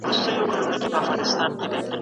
زور په سياست کي بېلابېل ډولونه لري.